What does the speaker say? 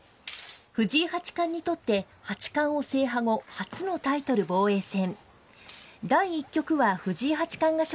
藤井八冠にとって、八冠を制覇後、初のタイトル防衛戦。